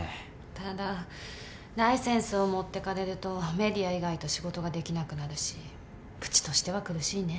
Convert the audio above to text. ただライセンスを持ってかれるとＭＥＤＩＡ以外と仕事ができなくなるしうちとしては苦しいね。